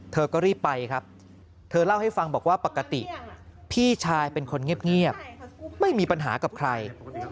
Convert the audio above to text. เธอก็รีบไปครับเธอเล่าให้ฟังบอกว่าปกติพี่ชายเป็นคนเงียบไม่มีปัญหากับใคร